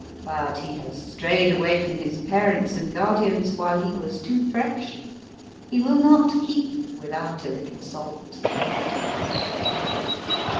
But he has strayed away from his parents and guardians while he was too fresh. He will not keep without a little salt.